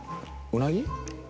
うなぎ？